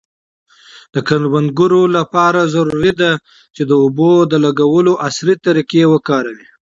د کروندګرو لپاره ضروري ده چي د اوبو د لګولو عصري طریقې وکاروي.